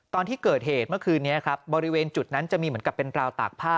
ตอนที่เกิดเหตุเมื่อคืนนี้ครับบริเวณจุดนั้นจะมีเหมือนกับเป็นราวตากผ้า